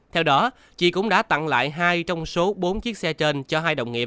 theo đó chị cũng đã tặng lại hai trong số bốn chiếc xe trên cho hai đồng nghiệp